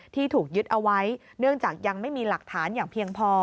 ที่ถูกยึดเอาไว้เนื่องจากยังไม่มีหลักฐานอย่างเพียงพอ